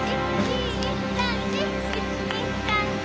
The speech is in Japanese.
１２３４。